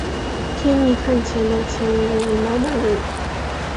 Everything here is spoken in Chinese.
天命汗钱的钱文为老满文。